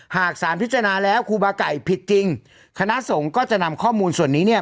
หากสารพิจารณาแล้วครูบาไก่ผิดจริงคณะสงฆ์ก็จะนำข้อมูลส่วนนี้เนี่ย